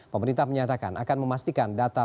pemerintah menyatakan akan memastikan data